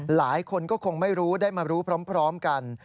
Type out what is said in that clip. หลายคนก็คงไม่รู้ได้มารู้พร้อมกัน